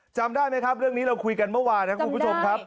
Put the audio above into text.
จำได้ไหมครับเรื่องนี้เราคุยกันเมื่อวานนะครับคุณผู้ชมครับ